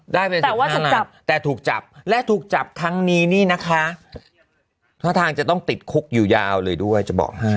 ได้เป็นแต่ถูกจับและถูกจับครั้งนี้นี่นะคะท่าทางจะต้องติดคุกอยู่ยาวเลยด้วยจะบอกให้